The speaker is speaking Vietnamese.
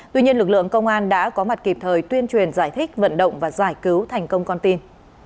tuy nhiên lực lượng công an đã có mặt kịp thời tuyên truyền giải thích vận động và giải cứu thành công con tin